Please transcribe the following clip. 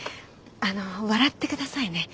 あのう笑ってくださいね。